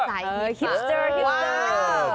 สายฮิปเซอร์ฮิปเซอร์ว้าว